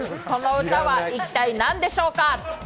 その歌は一体何でしょうか。